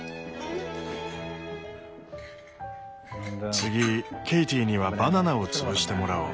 次ケイティにはバナナを潰してもらおう。